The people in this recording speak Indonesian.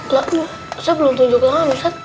ustadz saya belum tunjuk tangan ustadz